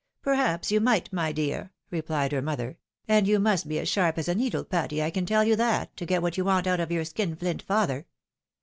" Perhaps you might, my dear," replied her mother ;" and you must be as sharp as a needle, Patty, I can teU you that, to get what you want out of your skinflint father.